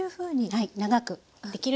はい。